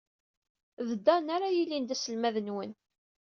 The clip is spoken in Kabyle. D Dan ara yilin d aselmad-nwen.